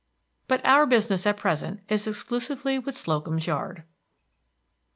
But our business at present is exclusively with Slocum's Yard.